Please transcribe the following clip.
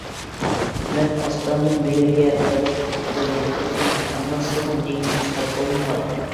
مەن ئاستانىدىن بۇ يەرگە پەرھىز تۇتۇپ كەلگەن تۇرسام، قانداقسىغا نىيىتىم ساپ بولمىغاي؟